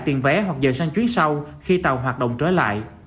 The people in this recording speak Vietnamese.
tiền vé hoặc dựa sang chuyến sau khi tàu hoạt động trở lại